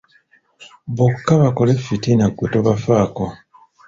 Bo ka bakole effitina ggwe tobafaako.